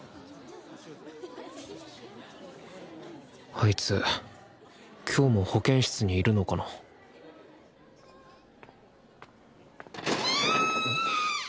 あいつ今日も保健室にいるのかな・きゃあ！